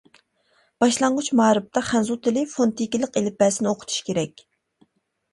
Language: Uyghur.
باشلانغۇچ مائارىپتا خەنزۇ تىلى فونېتىكىلىق ئېلىپبەسىنى ئوقۇتۇش كېرەك.